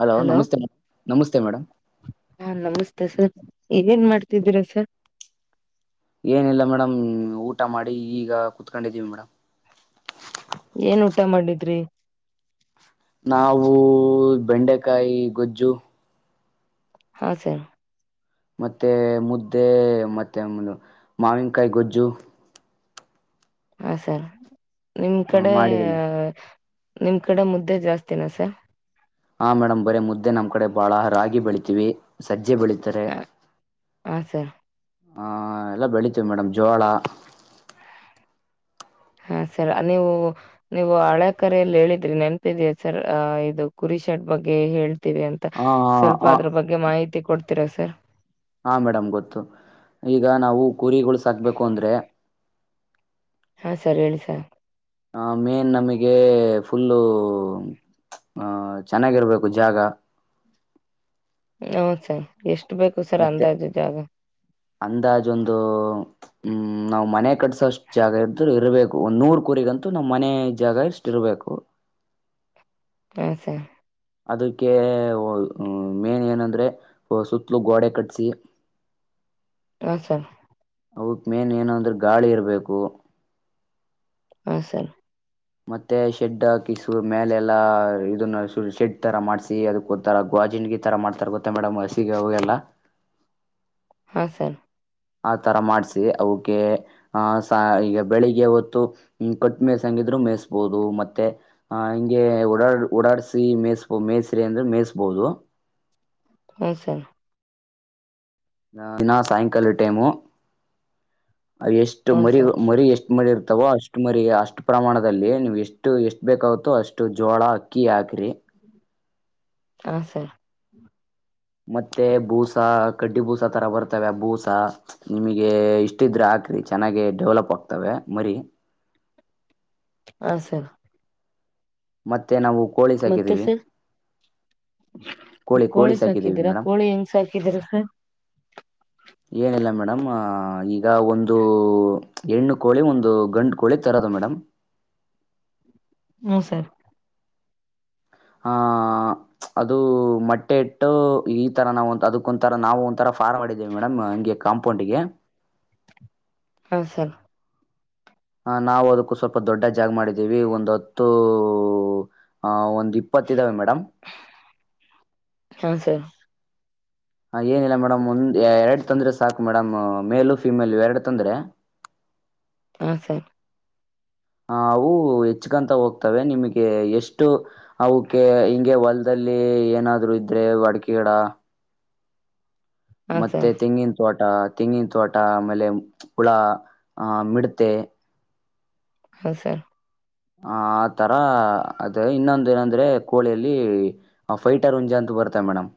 Hello ನಮಸ್ತೆ madam ನಮಸ್ತೆ madam. ಮತ್ತೆ ಸರ್ ಈಗೇನ್ ಮಾಡ್ತಿದ್ದೀರಾ ಸರ್. ಏನಿಲ್ಲ ಮೇಡಮ್ ಊಟ ಮಾಡಿ ಈಗ ಕುತ್ಕೊಂಡಿದ್ದೀವಿ ಮೇಡಮ್. ಏನ್ ಊಟ ಮಾಡಿದ್ರಿ. ನಾವೂ ಬೆಂಡೆಕಾಯಿ ಗೊಜ್ಜು. ಹಾ ಸರ್. ಮತ್ತೆ ಮುದ್ದೆ ಮತ್ತೆ ಮಾವಿನಕಾಯಿ ಗೊಜ್ಜು. ಹಾ ಸರ್. ನಿಮ್ ಕಡೆ. ಮಾಡಿದೀವಿ ಮೇಡಮ್ ನಿಮ್ ಕಡೆ ಮುದ್ದೆ ಜಾಸ್ತಿನ ಸರ್. ಆ ಮೇಡಮ್ ಬರೆ ಮುದ್ದೆ ನಮ್ ಕಡೆ ಬಾಳ ರಾಗಿ ಬೆಳಿತೀವಿ ಸಜ್ ಜ್ಜೆ ಬೆಳಿತಾರೆ. ಹಾ ಸರ್ ಹಾ ಎಲ್ಲ ಬೆಳಿತೀವಿ ಮೇಡಮ್ ಜೋಳ. ಹಾ ಸರ್ ನೀವು ನೀವು ಹಳೆ ಕರೆಯಲ್ಲಿ ಹೇಳಿದ್ರಿ ನೆನ್ಪಿದ್ಯ ಸರ್ ಅ ಇದು ಕುರಿ ಶೆಡ್ ಬಗ್ಗೆ ಹೇಳ್. ತ್ತಿದ್ಯಂತ ಆ ಸ್ವಲ್ಪ ಆ ಅದ್ರ ಬಗ್ಗೆ ಮಾಹಿತಿ ಕೊಡ್. ತಿರ ಸರ್. ಹಾ ಮೇಡಮ್ ಗೊತ್ತು ಈಗ ನಾವು ಕುರಿಗಳು ಸಾಕ್ಬೇಕು ಅಂದ್ರೆ. ಹಾ ಸರ್ ಹೇಳಿ ಸರ್. ಆ ಮೇನ್ ನಮಗೆ ಫುಲ್ಲು ಅ ಚೆನ್ನಾಗಿರ್ಬೇಕು ಜಾಗ. ಹೌದ್ ಸರ್ ಎಷ್ಟು. ಬೇಕು ಸರ್ ಮತ್ತೆ ಅಂದಾಜು ಜಾಗ ಅಂದಾಜು ಒಂದು. ಹ್ಮ್ ನಾವ್ ಮನೆ ಕಟ್ಸೋಷ್ಟು ಜಾಗ ಇದ್ರು ಇರ್ಬೇಕು ಒಂದ್ ನೂರ್ ಕುರಿಗಂತೂ ನಮ್ ಮನೆ ಜಾಗ ಇಷ್ಟು ಇರ್ಬೇಕು. ಹ ಸರ್. ಅದಕ್ಕೆ ಒ ಮೇನ್ ಏನಂದ್ರೆ ಸುತ್ತಲೂ ಗೋಡೆ ಕಟ್ಟ್ಸಿ. ಹ ಸರ್. ಅವಕ್ ಮೇನ್ ಏನು ಅಂದ್ರೆ ಗಾಳಿ ಇರಬೇಕು. ಹ ಸರ್. ಮತ್ತೆ ಶೆಡ್ ಹಾಕಿಸು ಮೇಲೆ ಎಲ್ಲಾ ಇದನ್ನ ಶು ಶೆಡ್ ತರ ಮಾಡ್ಸಿ ಅದಕ್ಕೊಥರ ಗ್ವಾಜಿಂಡಗಿ ತರ ಮಾಡ್ತಾರೆ ಗೊತ್ತ ಮೇಡಮ್ ಹಸಿಗೆ ಅವು ಎಲ್ಲ. ಹಾ ಸರ್. ಆ ತರ ಮಾಡ್ಸಿ ಅವುಕ್ಕೆ ಆ ಸ ಈಗ ಬೆಳಿಗ್ಗೆ ಹೊತ್ತು ಕಟ್ ಮೇಯ್ಸಂಗಿದ್ರು ಮೇಯಸ್ಬೋುದು ಮತ್ತೆ ಆ ಹಿಂಗೆ ಓಡಾಡ್ ಓಡಾಡ್ಸಿ ಮೇಯಸ್ಬೋ ಮೇಯಸ್ರಿ ಅಂದ್ರೆ ಮೇಯಸ್ಬಹುದು. ಹ್ಮ ಸರ್. ನ ದಿನ ಸಾಯಂಕಾಲ ಟೈಮು. ಎಷ್ಟು ಹ್ಮ ಮರಿ ಸರ್ ಮರಿ ಎಷ್ಟು ಮಾಡಿರ್. ತ್ತವೋ ಅಷ್ಟು ಮರಿ ಅಷ್ಟು ಪ್ರಮಾಣದಲ್ಲಿ ನೀವ್ ಎಷ್ಟು ಎಷ್ಟು ಬೇಕಾಗುತ್ತೋ ಅಷ್ಟು ಜೋಳ ಅಕ್ಕಿ ಹಾಕ್ರಿ. ಹ ಸರ್. ಮತ್ತೆ ಬೂಸ ಕಡ್ಡಿ ಬೂಸಾ ತರ ಬರ್ತವೆ ಆ ಬೂಸ ನಿಮಿಗೆ ಇಷ್ಟಿದ್ರೆ ಹಾಕ್ರಿ ಚೆನ್ನಾಗೆ ಡೆವಲಪ್ ಆಗ್ತವೆ ಮರಿ. ಹ ಸರ್. ಮತ್ತೆ ನಾವು ಕೋಳಿ ಮತ್ತೆ ಸಾಕಿದೀವಿ ಸರ್ ಕೋಳಿ ಸಾಕಿದೀರಾ ಕೋಳಿ ಹೆಂಗ್ ಸಾಕಿದೀರ ಸರ್. ಏನಿಲ್ಲ ಮೇಡಮ್ ಈಗ ಒಂದು ಹೆಣ್ಣು ಕೋಳಿ ಒಂದು ಗಂಡು ಕೋಳಿ ತರೋದ ಮೇಡಮ್. ಹ್ಮ್ ಸರ್. ಆ ಅದು ಮೊಟ್ಟೆ ಇಟ್ಟು ಈ ತರ ನಾವಂತ್ ಅದಕ್ಕೊಂತರ ನಾವು ಒಂಥರ. ಫಾರ್ಮ್ ಮಾಡಿದ್ದೇವಿ ಮೇಡಮ್ ಹಂಗೆ ಕಾಂಪೌಂಡ್ಗೆ. [unintelligible] ಹು ಸರ್. ಹ ನಾವು ಅದಕ್ಕೂ ಸ್ವಲ್ಪ ದೊಡ್ಡ ಜಾಗ ಮಾಡಿದ್ದೀವಿ ಒಂದ್ ಹತ್ತು ಅ ಒಂದ್. ಇಪ್ಪತ್ ಇದಾವೆ ಮೇಡಮ್. ಹಾ ಸರ್ ಹಾ ಏನಿಲ್ಲ ಮೇಡಮ್ ಒಂದ್ ಎರಡು ತಂದ್ರೆ ಸಾಕು ಮೇಡಮ್ ಮೇಲು ಫಿಮೇಲು ಎರಡು ತಂದ್ರೆ. ಹ ಸರ್. ಹ ಅವು ಹೆಚ್ಕಂತ ಹೋಗ್ತವೆ ನಿಮಗೆ ಎಷ್ಟು ಅವುಕ್ಕೆ ಹಿಂಗೆ ಹೊಲದಲ್ಲಿ ಏನಾದ್ರು ಇದ್ರೆ ವಡಕೆ ಗಿಡ. ಹಾ ಮತ್ತೆ ಸರ್ ತೆಂಗಿನ್ ತೋಟ. ತೆಂಗಿನ್ ತೋಟ ಆಮೇಲೆ ಹುಳ ಆ ಮಿಡ್ತೆ. ಹು ಸರ್. ಆ ಆತರ ಅದೇ ಇನ್ನೊಂದು ಏನಂದ್ರೆ ಕೋಳಿಯಲ್ಲಿ ಫೈಟರ್ ಉಂಜಾ ಅಂತ ಬರ್ತೆ ಮೇಡಮಂ.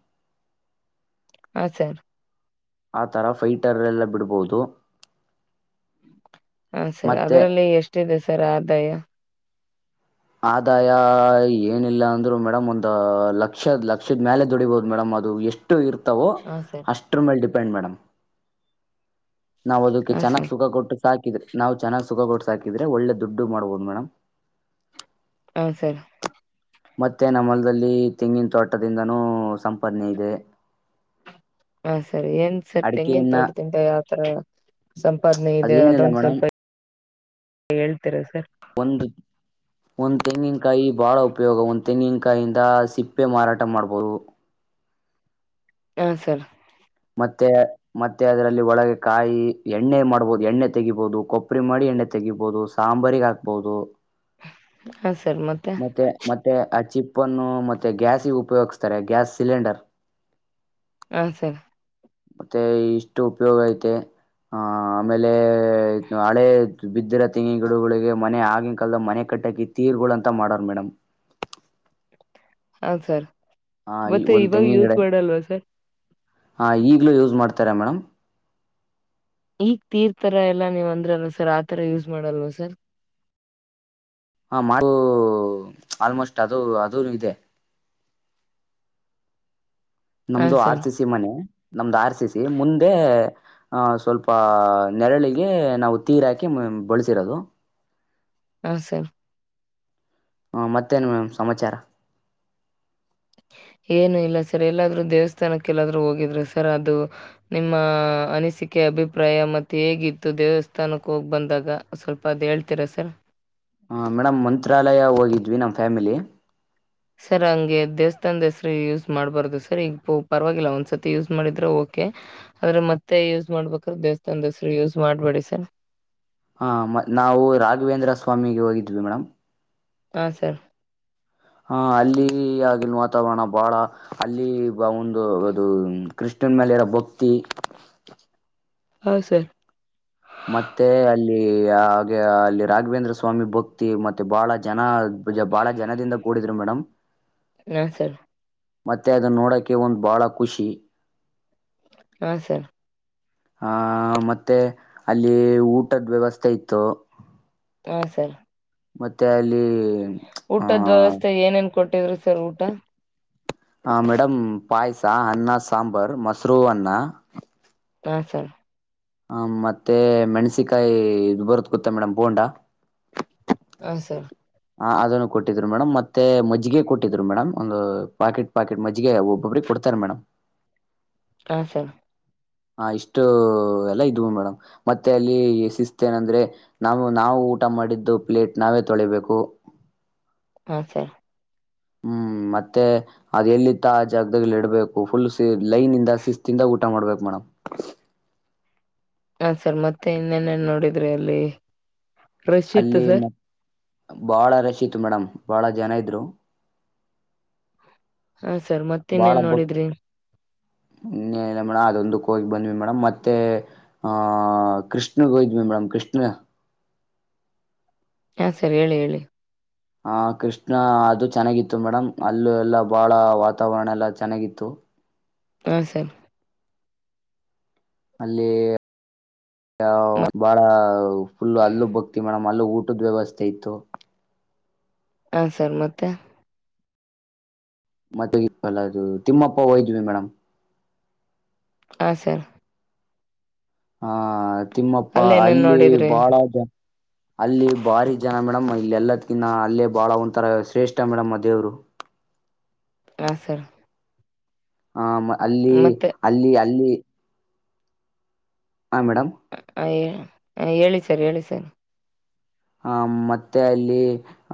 ಹ ಸರ್. ಆತರ ಫೈಟರ್ರೆಲ್ಲ ಬಿಡಬಹುದು. ಹ ಸರ್ ಅದರಲ್ಲಿ ಎಷ್ಟಿದೆ ಸರ್ ಆದಾಯ. ಆದಾಯ ಏನಿಲ್ಲ ಅಂದ್ರು ಮೇಡಮ್ ಒಂದು ಲಕ್ಷದ್ ಲಕ್ಷದ್ ಮ್ಯಾಲೆ ದುಡಿಬಹುದು ಮೇಡಮ್ ಅದು ಎಷ್ಟು. ಇರ್ತಾವೋ ಹಾ ಸರ್ ಅಷ್ಟ್ರ ಮೇಲೆ ಡಿ ಡಿಪೆಂಟ್ ಮೇಡಮ್. ನಾವ್ ಅದುಕ್ಕೆ ಹಾ ಚೆನ್ನಾಗ್ ಸರ್ ಸುಖ ಕೊಟ್ಟು. ಸಾಕಿದ್ರೆ ನಾವ್ ಚೆನಾಗ್ ಸುಖ ಕೊಟ್ಟ ಸಾಕಿದ್ರೆ ಒಳ್ಳೆ ದುಡ್ಡು ಮಾಡ್ಬೊದು ಮೇಡಮ್. ಹ ಸರ್. ಮತ್ತೆ ನಮ್ಮೊಲ್ದಲ್ಲಿ ತೆಂಗಿನ ತೋಟದಿಂದನೂ ಸಂಪಾದನೆ ಇದೆ. ಹಾ ಸರಿ ಏನ್ ಸರ್ ತೆಂಗಿನ ಅಡಿಕೆಯನ್ನ ತೋಟದಿಂದ ಯಾವ್ತರ ಸಂಪಾದನೆ ಇದೆ ಅದೇನಿಲ್ಲ ಅದೊಂದ ಮೇಡಮ್ ಸ್ವಲ್ಪ. ಹೇಳ್ತೀರಾ ಸರ್. ಒಂದು ಒಂದ್ತೆಂಗಿನ್ ಕಾಯಿ ಬಾಳ ಉಪಯೋಗ ಒಂದ್ ತೆಂಗಿನ್ಕ್ ಕಾಯಿಂದ ಸಿಪ್ಪೆ ಮಾರಾಟ ಮಾಡ್ಬೋದು. ಹಾ ಸರ್. ಮತ್ತೆ ಮತ್ತೆ ಅದರಲ್ಲಿ ಒಳಗೆ ಕಾಯಿ ಎಣ್ಣೆ ಮಾಡ್ಬೋದು ಎಣ್ಣೆ ತೆಗಿಬೋದು ಕೊಬ್ರಿ ಮಾಡಿ ಎಣ್ಣೆ ತೆಗಿಬೋದು, ಸಾಂಬಾರಿಗೆ ಹಾಕ್ಬೋದು. [inaudible] ಮತ್ತೆ ಮತ್ತೆ ಅಚಿಪ್ ಪ್ಪನ್ನು ಮತ್ತೆ ಗ್ಯಾಸಿಗೆ ಉಪಯೋಗಿಸ್ತಾರೆ ಗ್ಯಾಸ್ ಸಿಲಿಂಡರ್ ಹ ಸರ್. ಮತ್ತೆ ಇಷ್ಟು ಉಪಯೋಗ ಐತೆ ಆ ಆಮೇಲೆ ಹಳೆ ಬಿದ್ದಿರೋ ತಂಗಿನ್ಗಿಡಗಳಿಗೆ ಮನೆ ಆಗಿನ್ಕಾಲದಲ್ ಮನೆ ಕಟ್ಟಕ್ಕೆ ಈ ತೀರ್ಗಳು ಅಂತ ಮಾಡೋರ್ ಮೇಡಂ ಹೌದ್ ಸರ್. ಮತ್ತೆ ಒಂದ್ ಇವಾಗ್ ತೆಂಗಿನ ಗಿಡ ಯೂಸ್ ಮಾಡಲ್ವಾ ಸರ್. ಹಾ ಈಗ್ಲೂ ಯೂಸ್ ಮಾಡ್ತಾರೆ ಮೇಡಮ್ ಈಗ್ ತೀರ್ತರ ಎಲ್ಲ ನೀವು ಅಂದ್ರಲ್ಲ ಸರ್ ಆತರ ಯೂಸ್ ಮಾಡಲ್ವ ಸರ್. ಹಾ ಮಾಡ್ ಅದೂ ಆಲ್ಮೋಸ್ಟ್ ಅದು ಅದೂನು ಇದೆ. ಹಾ ನಮ್ದು ಆರ್ ಸರ್ ಸಿ ಸಿ ಮನೆ. ನಮ್ದು ಆರ್ ಸಿ ಸಿ ಮುಂದೆ ಅ ಸ್ವಲ್ಪ ನೆರಳಿಗೆ ನಾವು ತೀರ್ ಹಾಕಿ ಬಳಸಿರೋದು. ಹ ಸರ್. ಹಾ ಮತ್ತೇನ್ ಮೇಡಮ್ ಸಮಾಚಾರ? ಏನು ಇಲ್ಲ ಸರ್ ಎಲ್ಲಾದರೂ ದೇವಸ್ಥಾನಕ್ಕೆ ಎಲ್ಲಾದರೂ ಹೋಗಿದ್ರ ಸರ್ ಅದು ನಿಮ್ಮ ಅನಿಸಿಕೆ ಅಭಿಪ್ರಾಯ ಮತ್ತು ಹೇಗಿತ್ತು ದೇವಸ್ಥಾನಕ್ಕೆ ಹೋಗ್ಬಂದಾಗ ಸ್ವಲ್ಪ ಅದು ಹೇಳ್ತೀರಾ ಸರ್? ಹ ಮೇಡಮ್ ಮಂತ್ರಾಲಯ ಹೋಗಿದ್ವಿ ನಮ್ ಫ್ಯಾಮಿಲಿ. ಸರ್ ಹಂಗೆ ದೇವಸ್ಥಾನ್ದ್ ಹೆಸರು ಯೂಸ್ ಮಾಡಬಾರ್ದು ಸರ್ ಈಗ ಪ ಪರವಾಗಿಲ್ಲ ಒಂದ್ಸರ್ತಿ ಯೂಸ್ ಮಾಡಿದ್ರೆ ಓಕೆ ಆದರೆ ಮತ್ತೆ ಯೂಸ್ ಮಾಡ್ಬೇಕಾದ್ರೆ ದೇವಸ್ಥಾನ್ದ್ ಹೆಸರು ಯೂಸ್ ಮಾಡಬೇಡಿ ಸರ್. ಹಾ ಮ ನಾವು ರಾಘವೇಂದ್ರ ಸ್ವಾಮಿಗೆ ಹೋಗಿದ್ವಿ ಮೇಡಮ್. ಹಾ ಸರ್. ಹಾ ಅಲ್ಲಿ ಆಗಿನ್ ವಾತಾವರಣ ಬಾಳ ಅಲ್ಲಿ ಬ ಒಂದು ಅದು ಕೃಷ್ಣನ್ ಮೇಲೆ ಇರೋ ಭಕ್ತಿ ಹಾ ಸರ್. ಮತ್ತೆ ಅಲ್ಲಿ ಹಾಗೆ ಅಲ್ಲಿ ರಾಘವೇಂದ್ರ ಸ್ವಾಮಿ ಭಕ್ತಿ ಮತ್ತೆ ಬಹಳ ಜನ ಬ್ಜ ಬಹಳ ಜನದಿಂದ ಕೂಡಿದ್ರು ಮೇಡಮ್. ಹ ಸರ್. ಮತ್ತೆ ಅದನ್ನೋಡಕ್ಕೆ ಒಂದ್ ಬಾಳ ಖುಷಿ. ಹಾ ಸರ್. ಹಾ ಮತ್ತೆ ಅಲ್ಲಿ ಊಟದ್ ವ್ಯವಸ್ಥೆ ಇತ್ತು. ಹಾ ಸರ್. ಮತ್ತೆ ಅಲ್ಲಿ ಊಟದ್ ವ್ಯವಸ್ಥೆ ಏನೇನ್ ಕೊಟ್ ಟಿವ್ರು ಸರ್ ಊಟ ಹ ಮೇಡಮ್ ಪಾಯಾಸ ಅನ್ನ ಸಾಂಬಾರ್ ಮೊಸರು ಅನ್ನ. ಹಾ ಸರ್. ಹ ಮತ್ತೆ ಮೆಣಸಿಕಾಯಿ ಇದು ಬರುತ್ ಗೊತ್ತಾ ಮೇಡಮ್ ಬೊಂಡಾ. ಹ ಸರ್. ಹಾ ಅದನ್ನು ಕೊಟ್ಟಿದ್ರು ಮೇಡಮ್ ಮತ್ತೆ ಮಜ್ಜಗೆ ಕೊಟ್ಟಿದ್ರು ಮೇಡಮ್, ಒಂದು ಪಾಕೆಟ್ ಪಾಕೆಟ್ ಮಜ್ಜಿಗೆ ಒಬ್ಬೊಬ್ರಿಗೆ ಕೊಡ್ತಾರೆ ಮೇಡಮ್. ಹಾ ಸರ್. ಹಾ ಇಷ್ಟು ಎಲ್ಲ ಇದ್ವು ಮೇಡಮ್ ಮತ್ತೆ ಅಲ್ಲಿ ಶಿಸ್ತ ನಂದ್ರೆ ನಾವು ನಾವು ಊಟ ಮಾಡಿದ್ದು ಪ್ಲೇಟ್ ನಾವೇ ತೊಳಿಬೇಕು. ಹಾ ಸರ್. ಹ್ಮ್ ಮತ್ತೆ ಅದ ಎಲ್ಲಿತ್ತ ಆ ಜಾಗದಲಿ ಇಡ್ಬೇಕು ಫುಲ್ ಲೈನ್ ಇಂದ ಶಿಸ್ತಿಂದ ಊಟ ಮಾಡ್ಬೇಕು ಮೇಡಮ್. ಹಾ ಸರ್ ಮತ್ತೆ ಇನ್ನೇನೇನ್ ನೋಡಿದ್ರಿ ಅಲ್ಲಿ. ರಶೀತ್ತು ಸರ್. ಬಾಳ ರಶೀತ್ ಮೇಡಮ್ ಬಾಳ ಜನ ಇದ್ರು. ಹಾ ಸರ್ ಮತ್ತ ಇನ್ನೇನ್ ನೋಡಿದ್ರಿ. ಇನ್ನೇಲ್ಲ ಮೇಡಮ್ ಅದೊಂದಕ್ಕ ಹೋಗಿ ಬಂದ್ವಿ ಮೇಡಮ್ ಮತ್ತೆ ಆಹ್ ಕೃಷ್ಣಗೋಯಿದ್ವಿ ಮೇಡಮ್ ಕೃಷ್ಣ ಹಾ ಸರಿ ಹೇಳಿ ಹೇಳಿ. ಹ ಕೃಷ್ಣ ಅದು ಚೆನ್ನಾಗಿತ್ತು ಮೇಡಮ್ ಅಲ್ಲ ಎಲ್ಲ ಬಾಳ ವಾತಾವರಣ ಎಲ್ಲ ಚೆನ್ನಾಗಿತ್ತು. ಹಾ ಸರ್. ಅಲ್ಲಿ ಬಾಳ ಫುಲ್ಲ ಅಲ್ಲೂ ಬಕ್ತಿ ಮೇಡಮ್ ಅಲ್ಲೂ ಊಟದ ವ್ಯವಸ್ಥೆ ಇತ್ತು. ಹಾ ಸರ್ ಮತ್ತೆ. ಮತ್ತೆಲ್ಲದು ತಿಮ್ಮಪ್ಪ ಹಯದ್ವಿ ಮೇಡಮ್. ಹ ಸರ್. ಹಾ. ತಿಮ್ಮಪ್ಪ ಅಲ್ಲೇನೇನ್ ಅಲ್ಲಿ ನೋಡಿದ್ರಿ ಬಾಳ ಜನ. ಅಲ್ಲಿ ಬಾರಿ ಜನ ಮೇಡಮ್ ಇಲ್ಲ ಎಲ್ಲದಕಿನ್ನ ಅಲ್ಲೇ ಬಾಳ ಒಂಥರ ಶ್ರೇಷ್ಠ ಮೇಡಮ್ ಅ ದೇವ್ರು. ಹಾ ಸರ್. ಆ ಅಲ್ಲಿ ಮತ್ತೆ ಅಲ್ಲಿ ಅಲ್ಲಿ. ಹಾ ಮೇಡಮ. ಹಾಂ ಹೇಳ ಹೇಳಿ ಸರ್ ಹೇಳಿ ಸರ್. ಆ ಮತ್ತೆ ಅಲ್ಲಿ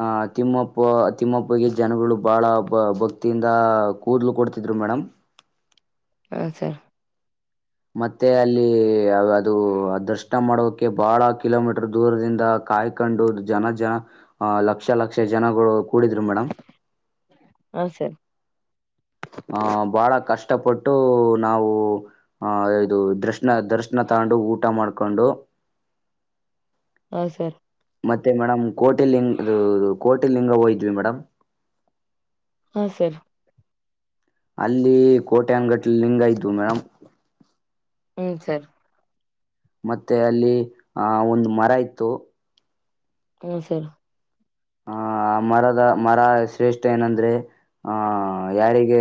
ಆಹ ತಿಮ್ಮಪ್ಪ ತಿಮ್ಮಪ್ಪಗೆ ಜನಗಳು ಬಹಳ ಭಕ್ತಿಯಿಂದ ಕೂದಲು ಕೊಡ್ತಿದ್ರು ಮೇಡಮಂ. ಹ ಸರಿ. ಮತ್ತೆ ಅಲ್ಲಿ ಅದು ದರ್ಶನ ಮಾಡೋಕೆ ಬಹಳ ಕಿಲೋಮೀಟರ್ ದೂರದಿಂದ ಕಾಯ್ಕೊಂಡು ಜನ ಜನ ಅಹ ಲಕ್ಷ ಲಕ್ಷ ಜನಗಳು. ಕೂಡಿದ್ರು ಮೇಡಮ್. ಹ ಸರಿ. ಆಹ ಬಾಳ ಕಷ್ಟಪಟ್ಟು ನಾವು ಆಹ ಇದು ದರ್ಶನ ತಗಂಡು ಊಟ ಮಾಡಕೊ ಕೊಂಡು ಹ ಸರ್. ಮತ್ತೆ ಮೇಡಮ್ ಕೋಟಿಲಿಂಗ ಕೋಟಿಲಿಂಗ ಹೋಯಿದ್ವಿ ಮೇಡಮ್. ಹಾ ಸರ. ಅಲ್ಲಿ ಕೋಟೆ ಅಂಗಟ್ಟಲಿ ಲಿಂಗ ಇದ್ವು ಮೇಡಂ. ಹ್ಮ್ ಸರ್. ಮತ್ತೆ ಅಲ್ಲಿ ಆಹ ಒಂದು ಮರ ಇತ್ತು. ಹ್ಮ ಸರಿ. ಆಹ ಮರದ ಮರ ಶ್ರೇಷ್ಠ ಏನಂದ್ರೆ ಆಹ್ ಯಾರಿಗೆ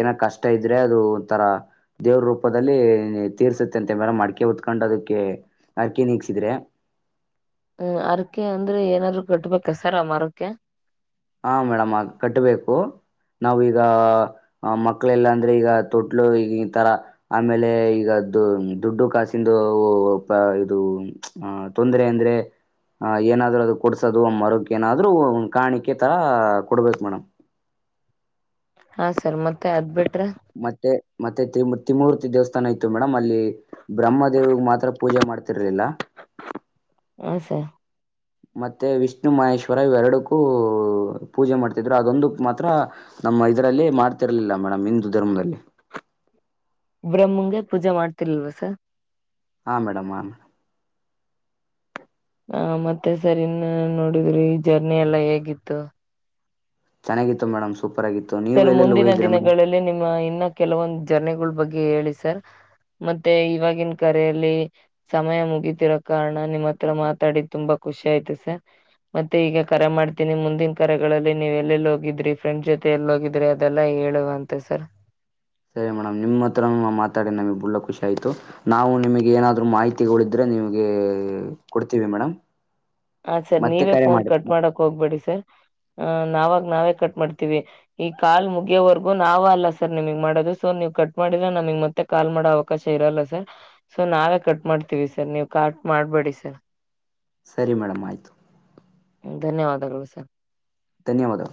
ಏನ ಕಷ್ಟ ಇದ್ರೆ ಅದು ಒಂಥರ ದೇವ್ರ ರೂಪದಲ್ಲಿ ತೀರ್ಸುತ್ತೆ ಅಂತ ಮೇಲೆ ಮಡಕೆ ಹೊತ್ಕೊಂಡ್ ಅದಕ್ಕೆ ಅಕ್ಕಿ ನೀಗ್ಸಿದ್ರೆ. ಹೂ ಹರಕೆ ಅಂದ್ರೆ ಏನಾದ್ರು ಕಟ್ಬೇಕ ಸರ್ ಆ ಮರುಕ್ಕೆ. ಹ ಮೇಡಮ್ ಆ ಕಟ್ಬೇಕು ನಾವೀಗ ಅ ಮಕ್ಳೆಲ್ಲ ಅಂದ್ರೆ ಈಗ ತೊಟ್ಲು ಈ ಈ ತರ ಆಮೇಲೆ ಈಗದು ದುಡ್ಡು ಕಾಸಿಂದು ಉ ಉಪ ಇದು ಅ ತೊಂದರೆ ಅಂದ್ರೆ ಆ ಏನಾದ್ರು ಅದು ಕೊಡ್ಸೋದು ಮರಕ್ ಏನಾದ್ರು ಕಾಣಿಕೆ ಕೆ ತರ ಕೊಡ್ಬೇಕು ಮೇಡಮ್. ಹಾ ಸರ್ ಮತ್ತೆ ಅದ್ಬಿಟ್ ಮತ್ತೆ ಮತ್ತೆ ತಿಮ್ ತಿಮೂರ್ತಿ ದೇವಸ್ ತಾನ ಇತ್ತು ಮೇಡಮ್ ಅಲ್ಲಿ ಬ್ರಹ್ಮ ದೇವ್ರಿಗೆ ಮಾತ್ರ ಪೂಜೆ ಮಾಡ್ತಿರ್ಲಿಲ್ಲ ಹು ಸರ್. ಮತ್ತೆ ವಿಷ್ಣು ಮಹೇಶ್ವರ ಇವ್ ಎರಡಕ್ಕೂ ಊ ಪೂಜೆ ಮಾಡ್ತಿದ್ರು ಅದೊಂದಕ್ ಮಾತ್ರ ನಮ್ಮ ಇದರಲ್ಲಿ ಮಾಡ್ತಿರ್ಲಿಲ್ಲ ಮೇಡಮ್ ಹಿಂದೂ ಧರ್ಮದಲ್ಲಿ. ಬ್ರಹ್ಮಂಗೆ ಪೂಜೆ ಮಾಡ್ತಿಲಿರ್ಲ್ವ ಸರ್. ಹಾ ಮೇಡಮ್ ಹಾ ಮೇಡಮ್. ಹಾ ಮತ್ತೆ ಸರ್ [unintelligible] ಜರ್ನಿ ಎಲ್ಲಾ ಹೇಗಿತ್ತು. ಚೆನ್ನಾಗಿತ್ತು ಮೇಡಮ್. ಸೂಪರ್ ಆಗಿತ್ತು ನೀವು ಸರ್ ಎಲ್ಲೆಲ್ಲಿ ಮುಂದಿನ ಹೋಗಿದ್ದೀರಾ ಮೇಡಮ್ ದಿನಗಳಲ್ಲಿ ನಿಮ್ಮ ಇನ್ನ ಕೆಲವೊಂದ ಜರ್ನಿಗಳ ಬಗ್ಗೆ ಗೆ ಹೇಳಿ ಸರ್ ಮತ್ತೆ ಇವಾಗಿನ ಕರೆಯಲ್ಲಿ ಸಮಯ ಮುಗೀತಿರೋ ಕಾರಣ ನಿಮ್ಮ್ ಹತ್ರ ಮಾತಾಡಿದ್ ತುಂಬಾ ಖುಷಿ ಆಯ್ತು ಸರ್ ಮತ್ತೆ ಈಗ ಕರೆ ಮಾಡ್ತೀನಿ ಮುಂದಿನ್ ಕರೆಗಳಲ್ಲಿ ನೀವ್ ಎಲ್ಲೆಲ್ಲಿ ಹೋಗಿದ್ರಿ ಫ್ರೆಂಡ್ಸ್ ಜೊತೆ ತ್ತೆ ಎಲ್ಲಿ ಹೋಗಿದ್ರಿ ಅದೆಲ್ಲ ಹೇಳುವಂತೆ ಸರ್. ಸರಿ ಮೇಡಮ್ ನಿಮ್ಮ ಹತ್ರನು ನಾವ್ ಮಾತಾಡಿ ನಮಗ್ ಬುಳ್ಳ ಖುಷಿ ಆಯ್ತು ನಾವು ನಿಮಗೆ ಏನಾದ್ರು ಮಾಹಿತಿಗೊಳಿದ್ರೆ ನಿಮಗೆ ಎ ಕೊಡ್ತೀವಿ ಮೇಡಮ್. ಹ ಸರ್ ಮತ್ತೆ ನೀವೇ ಕರೆ ಫೋನ್ ಮಾಡಿ ಕಟ್ ಮಾಡಕ್ ಹೋಗ್ಬೇಡಿ ಸರ್ ಅ ನಾವಾಗ್ ನಾವೇ ಕಟ್ ಮಾಡ್ತೀವಿ ಈ ಕಾಲ್ ಮುಗಿಯೋವರೆಗೂ ನಾವ ಅಲ್ಲ ಸರ್ ನಿಮಗ್ ಮಾಡೋದು ಸೊ ನೀವ್ ಕಟ್ ಮಾಡಿದ್ರ ನಮಗ್ ಮತ್ತೆ ಕಾಲ್ ಮಾಡೋ ಅವಕಾಶ ಇರಲ್ಲ ಸರ್ ಸೊ ನಾವೇ ಕಟ್ ಮಾಡ್ತೀವಿ ಸರ್ ನೀವ್ ಕಟ್ ಮಾಡ್ಬೇಡಿ ಸರ್. ಸರಿ ಮೇಡಮ್ ಆಯ್ತು. ಧನ್ಯವಾದಗಳು ಸರ್. ಧನ್ಯವಾದ